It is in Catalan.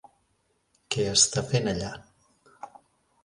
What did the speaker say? Què està fent allà?